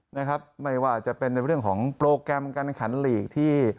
นะครับไม่ว่าจะเป็นในเรื่องของโปรแกรมการขันหลีกที่